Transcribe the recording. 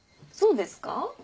そうですか？